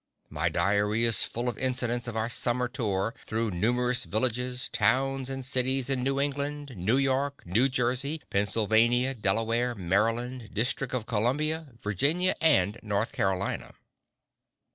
My diary is full of incidents of our summer tour through numerous villages, towns, and cities in New England, New York, New Jersey, Pennsylvania, Delaware, Maryland, District of Columbia, Virginia, and North Carolina.